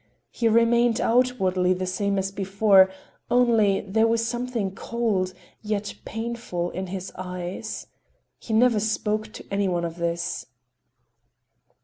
He remained outwardly the same as before, only there was something cold, yet painful in his eyes. He never spoke to anyone of this.